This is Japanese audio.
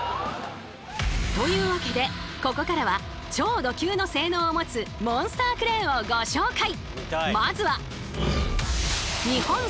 というわけでここからは超ド級の性能を持つモンスタークレーンをご紹介！